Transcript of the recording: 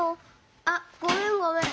あっごめんごめん。